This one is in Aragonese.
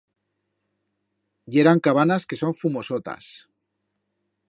Yeran cabanas que son fumosotas.